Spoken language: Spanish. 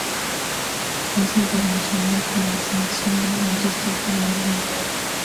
Es internacional por la Selección de baloncesto de Georgia.